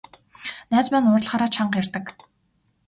Найз маань уурлахаараа чанга ярьдаг.